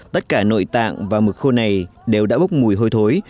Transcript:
tất cả nội tạng và mực khô này đều đã bốc mùi hôi thối